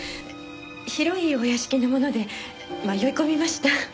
広いお屋敷なもので迷い込みました。